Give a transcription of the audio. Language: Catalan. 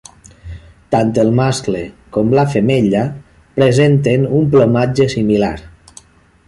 Tant el mascle com la femella presenten un plomatge similar.